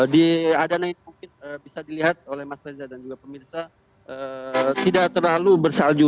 di adana itu mungkin bisa dilihat oleh mas reza dan juga pemirsa tidak terlalu bersalju